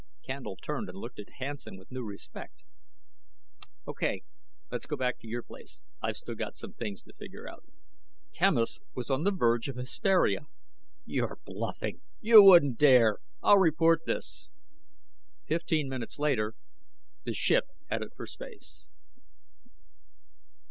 Candle turned and looked at Hansen with new respect. "Okay ... Let's go back to your place. I've still got some things to figure out." Quemos was on the verge of hysteria. "You're bluffing! You wouldn't dare. I'll report this!" Fifteen minutes later, the ship headed for space.